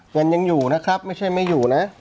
เงินยังอยู่นะครับไม่ใช่ไม่อยู่นะ